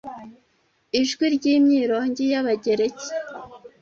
ijwi ry'imyironge y'abagereki